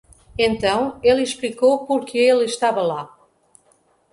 Então ele explicou por que ele estava lá.